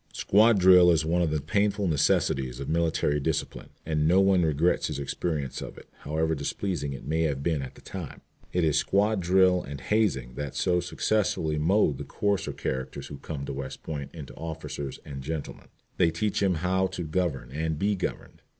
Squad drill is one of the painful necessities of military discipline, and no one regrets his experience of it, however displeasing it may have been at the time. It is squad drill and hazing that so successfully mould the coarser characters who come to West Point into officers and gentlemen. They teach him how to govern and be governed.